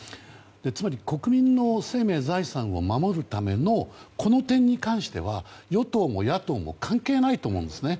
つまり、国民の生命・財産を守るためのこの点に関しては、与党も野党も関係ないと思うんですね。